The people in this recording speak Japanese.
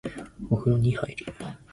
お風呂に入る